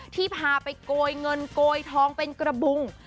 ที่พาไปโกยเงินโกยทองเป็นกระบุง